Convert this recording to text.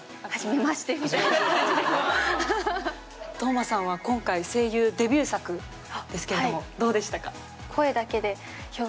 當真さんは今回声優デビュー作ですけれどもどうでしたか？